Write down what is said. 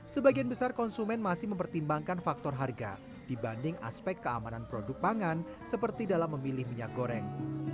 sebagian besar konsumen masih mempertimbangkan faktor harga dibanding aspek keamanan produk pangan seperti dalam memilih minyak goreng